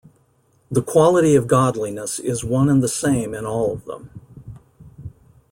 The quality of godliness is one and the same in all of them.